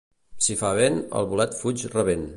Si fa vent, el bolet fuig rabent.